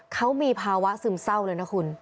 เขามีภาวะซึมเศร้าเลยนะคุณ